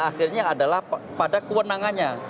akhirnya adalah pada kewenangannya